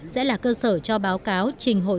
sẽ là cơ sở cho báo cáo trình hội